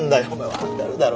分かるだろ？